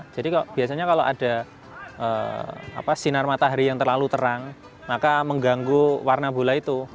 jadi biasanya kalau ada sinar matahari yang terlalu terang maka mengganggu warna bola itu